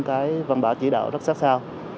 cái văn bảo chỉ đạo rất sát sao